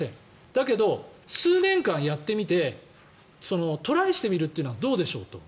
だけど、数年間やってみてトライしてみるというのはどうでしょうと。